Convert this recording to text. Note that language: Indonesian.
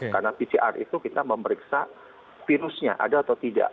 karena pcr itu kita memeriksa virusnya ada atau tidak